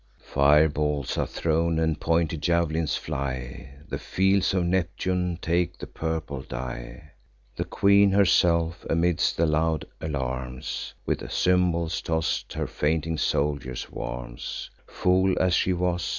Fireballs are thrown, and pointed jav'lins fly; The fields of Neptune take a purple dye. The queen herself, amidst the loud alarms, With cymbals toss'd her fainting soldiers warms— Fool as she was!